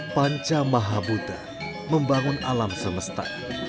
panca mahabuddha membangun alam semesta